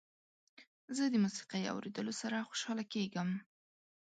زه د موسيقۍ اوریدلو سره خوشحاله کیږم.